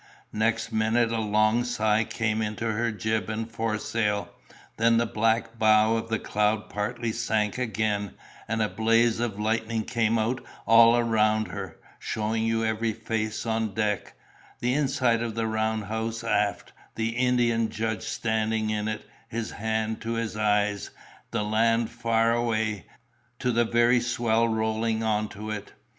Next minute a long sigh came into her jib and foresail, then the black bow of cloud partly sank again, and a blaze of lightning came out all round her, showing you every face on deck, the inside of the round house aft, with the Indian judge standing in it, his hand to his eyes—and the land far away, to the very swell rolling onto it.